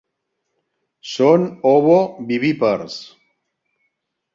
Són ovovivípars.